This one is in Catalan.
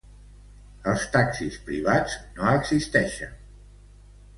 Els taxis privats no existeixen.